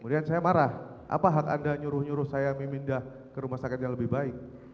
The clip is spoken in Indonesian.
kemudian saya marah apa hak anda nyuruh nyuruh saya memindah ke rumah sakit yang lebih baik